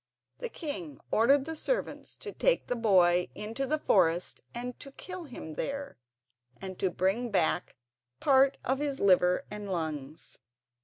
The king ordered his servants to take the boy into the forest and to kill him there, and to bring back part of his liver and lungs.